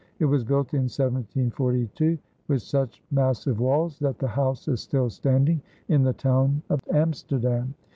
It was built in 1742 with such massive walls that the house is still standing in the town of Amsterdam.